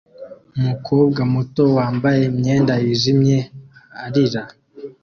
Umukobwa muto wambaye imyenda yijimye arira